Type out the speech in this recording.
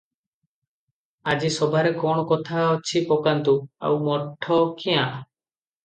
ଆଜି ସଭାରେ କଣ କଥା ଅଛି ପକାନ୍ତୁ, ଆଉ ମଠ କ୍ୟାଁ?"